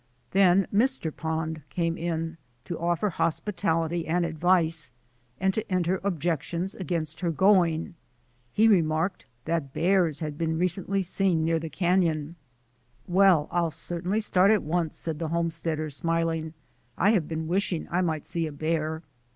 Then Mr. Pond came in to offer hospitality and advice and to enter objections against her going. I He remarked that bears had been recently seen near j the canon. "Well, I'll certainly start at once," said the homesteader, smiling; "I have been wishing I might see a bear."